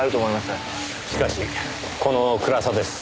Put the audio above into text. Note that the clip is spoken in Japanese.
しかしこの暗さです。